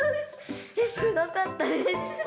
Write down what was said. すごかったです！